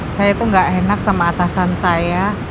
saya tidak enak dengan atasan saya